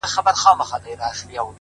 o څوك مي دي په زړه باندي لاس نه وهي ـ